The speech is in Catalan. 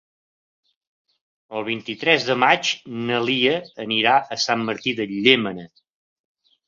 El vint-i-tres de maig na Lia anirà a Sant Martí de Llémena.